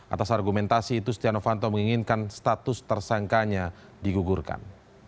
atas argumentasi itu stiano fanto menginginkan status tersangkanya digugurkan